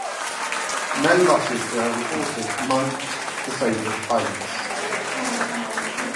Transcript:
No losses were reported among the Soviet pilots.